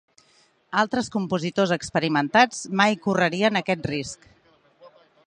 Altres compositors experimentats mai correrien aquest risc.